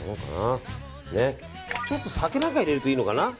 酒なんか入れるといいのかな。